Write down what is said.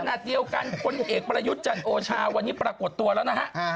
ขณะเดียวกันพลเอกประยุทธ์จันโอชาวันนี้ปรากฏตัวแล้วนะฮะ